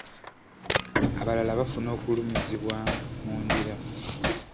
Abalala bafuna okulumizibwa mu ndira.